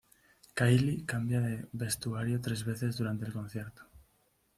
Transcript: Kylie cambia de vestuario tres veces durante el concierto.